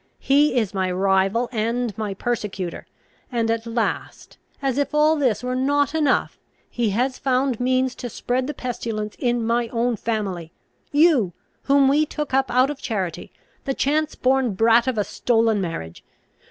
He is my rival and my persecutor; and, at last, as if all this were not enough, he has found means to spread the pestilence in my own family. You, whom we took up out of charity, the chance born brat of a stolen marriage!